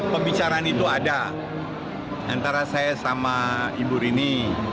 pembicaraan itu ada antara saya sama ibu rini